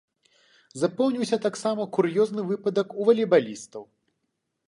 Запомніўся таксама кур'ёзны выпадак у валейбалістаў.